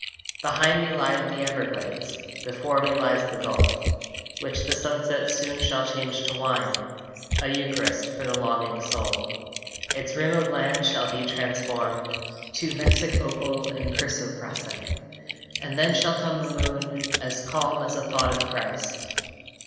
Behind me lie the Everglades, Before me lies the Gulf, Which the sunset soon shall change to wine, A Eucharist for the longing soul. Its rim of land shall be transformed To Mexic opal and chrysoprase, And then shall come the moon As calm as a thought of Christ.